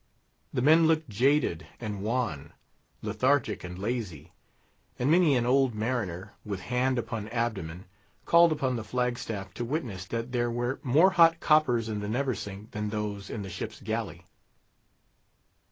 The men looked jaded and wan, lethargic and lazy; and many an old mariner, with hand upon abdomen, called upon the Flag staff to witness that there were more hot coppers in the Neversink than those in the ship's galley.